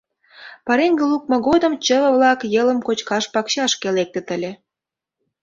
Пареҥгым лукмо годым чыве-влак йылым кочкаш пакчашке лектыт ыле.